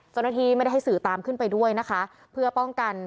เจ้าหน้าที่ไม่ได้ให้สื่อตามขึ้นไปด้วยนะคะเพื่อป้องกัน